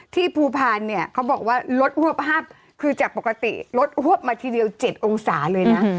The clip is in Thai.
ภูพาลเนี่ยเขาบอกว่าลดหวบฮัพคือจากปกติลดหวบมาทีเดียว๗องศาเลยนะ